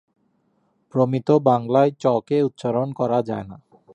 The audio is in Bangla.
প্রমিত বাংলায় চ কে উচ্চারণ করা যায় না।